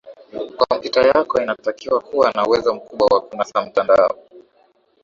kompyuta yako inatakiwa kuwa na uwezo mkubwa wa kunasa mtandao